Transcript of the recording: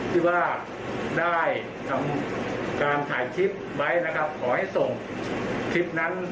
ที่ว่าได้ทำการถ่ายคลิปไว้นะครับขอให้ส่งคลิปนั้น